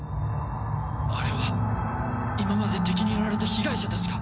あれは今まで敵にやられた被害者たちか。